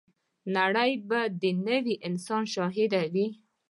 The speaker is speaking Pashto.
نړۍ به د نوي انسان شاهده وي.